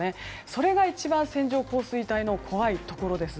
それが一番線状降水帯の怖いところです。